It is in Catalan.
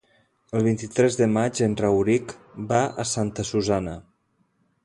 El vint-i-tres de maig en Rauric va a Santa Susanna.